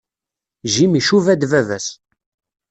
Jim icuba-d baba-s.